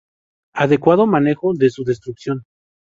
Adecuado manejo de su destrucción.